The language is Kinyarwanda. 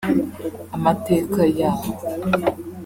amateka yaho